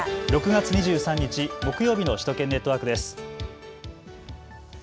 ６月２３日、木曜日の首都圏ネットワークです。